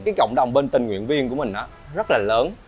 cái cộng đồng bên tình nguyện viên của mình rất là lớn